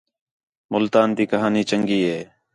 ملتان تی کہاݨی چنڳی ہے